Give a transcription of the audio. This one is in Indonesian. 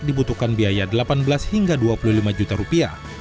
dibutuhkan biaya delapan belas hingga dua puluh lima juta rupiah